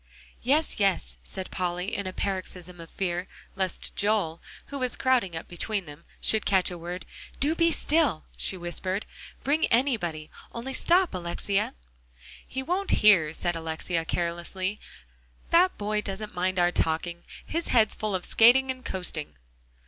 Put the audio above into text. "Yes, yes," said Polly in a paroxysm of fear lest Joel, who was crowding up between them, should catch a word; "do be still," she whispered. "Bring anybody; only stop, Alexia." "He won't hear," said Alexia carelessly; "that boy doesn't mind our talking; his head's full of skating and coasting."